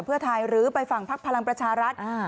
กับเพื่อไทยหรือไปฝั่งภักดิ์พลังประชารัฐอ่า